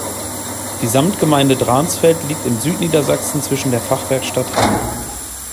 Die Samtgemeinde Dransfeld liegt in Südniedersachsen zwischen der Fachwerkstadt Hann.